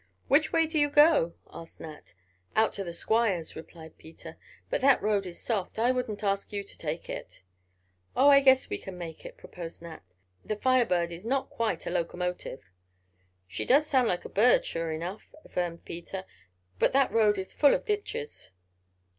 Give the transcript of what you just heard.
"Which way do you go?" asked Nat. "Out to the Squire's," replied Peter. "But that road is soft, I wouldn't ask you take it." "Oh, I guess we can make it," proposed Nat. "The Fire Bird is not quite a locomotive." "She goes like a bird, sure enough," affirmed Peter. "But that road is full of ditches."